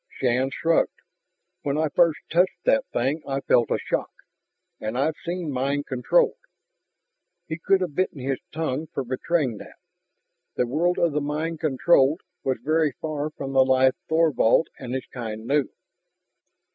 Shann shrugged. "When I first touched that thing I felt a shock. And I've seen mind controlled " He could have bitten his tongue for betraying that. The world of the mind controlled was very far from the life Thorvald and his kind knew.